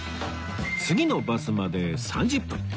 次のバスまで３０分